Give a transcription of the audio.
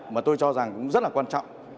mà tôi cho rằng cũng rất là quan trọng